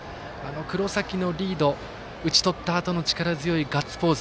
黒崎のリード打ち取ったあとの力強いガッツポーズ。